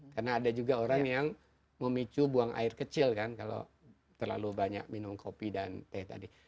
karena ada juga orang yang memicu buang air kecil kan kalau terlalu banyak minum kopi dan teh tadi